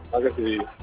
pakar hukum pidananya